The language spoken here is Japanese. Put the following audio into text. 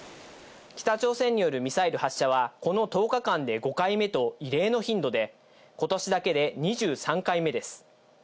北朝鮮によるミサイル発射はこの１０日間で５回目と異例の頻度で今年だけで２３回目です。